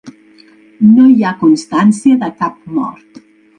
No hi ha constància de cap mort.